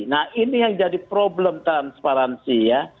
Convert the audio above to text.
nah ini yang jadi problem transparansi ya